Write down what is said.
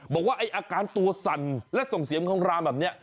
บอกว่าไอ้อาการตัวสั่นและส่งเสียงของรามแบบนี้